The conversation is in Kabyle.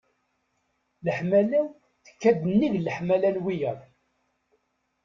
Leḥmala-w tekka-d nnig leḥmala n wiyaḍ.